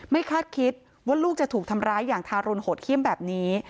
คาดคิดว่าลูกจะถูกทำร้ายอย่างทารุณโหดเขี้ยมแบบนี้